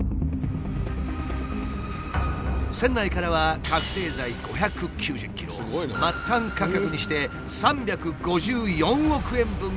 船内からは覚醒剤５９０ｋｇ末端価格にして３５４億円分が押収された。